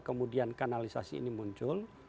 kemudian kanalisasi ini muncul